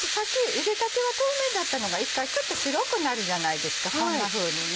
ゆでたては透明だったのが一回ちょっと白くなるじゃないですかこんなふうに。